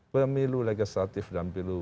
pemilu legislatif dan pilu